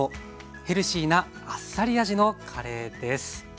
ヘルシーなあっさり味のカレーです。